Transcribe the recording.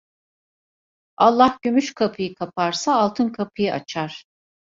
Allah gümüş kapıyı kaparsa altın kapıyı açar.